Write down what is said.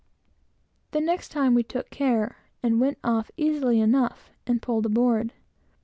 The next time we took care, and went off easily enough, and pulled aboard.